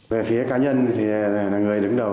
về phía cá nhân thì là người đứng đầu